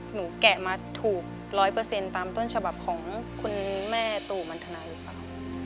แกะมาถูก๑๐๐ตามต้นฉบับของคุณแม่ตู่มันทนาหรือเปล่า